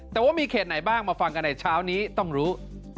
แต่ว่ามีเขตไหนบ้างมาฟังกันในเช้านี้ต้องรู้